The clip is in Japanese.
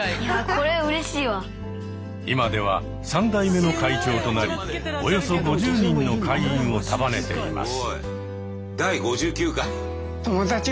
今では３代目の会長となりおよそ５０人の会員を束ねています。